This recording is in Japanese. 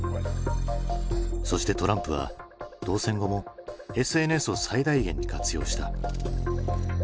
そしてトランプは当選後もＳＮＳを最大限に活用した。